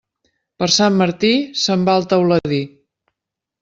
Per Sant Martí se'n va el teuladí.